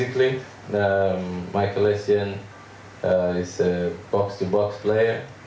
dia memainkan di klub besar